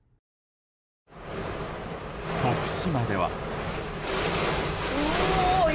徳島では。